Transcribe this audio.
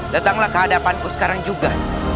datanglah ke hadapanku sekarang juga